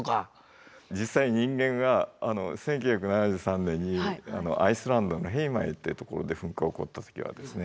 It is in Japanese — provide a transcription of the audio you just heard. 実際人間が１９７３年にアイスランドのヘイマエイっていうところで噴火起こった時はですね